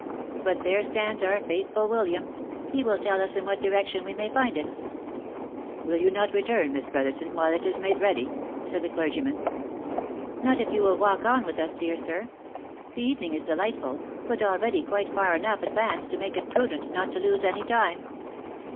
But there stands our faithful William, he will tell us in what direction we may find it." " Will you not return, Miss Brotherton, while it is made ready?" said the clergyman. " Not if you will walk on with us, dear sir. The evening is delight ful, but already quite far enough advanced to make it prudent not to lose any time."